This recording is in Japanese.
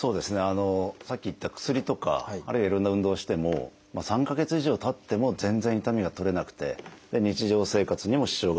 さっき言った薬とかあるいはいろんな運動をしても３か月以上たっても全然痛みが取れなくて日常生活にも支障がある。